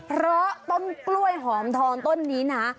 เพราะต้นกล้วยหอมทองต้นนี้นะ